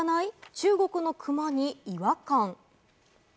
中国のクマに違和感。